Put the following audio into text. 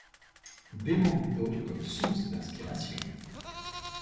Demento comme source d'inspiration.